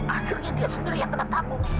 akhirnya dia sendiri yang kena tamu